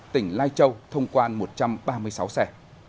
tỉnh lai châu thông quan một trăm ba mươi sáu xe